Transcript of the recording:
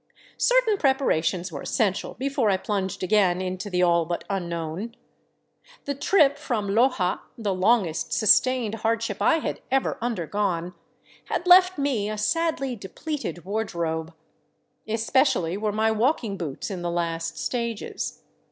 Certain preparations were essential before I plunged again into the all but unknown. The trip from Loja — the longest sustained hard ship I had ever undergone — had left me a sadly depleted ward robe. Especially were my walking boots in the last stages.